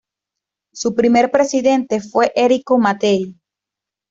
Su primer presidente fue Enrico Mattei.